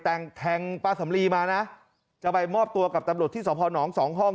แต่งแทงป้าสำลีมานะจะไปมอบตัวกับตำรวจที่สพนสองห้อง